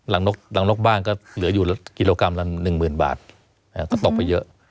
หลังนกบ้านก็เหลืออยู่กิโลกรัมละ๑๐๐๐บาทก็ตกไปเยอะ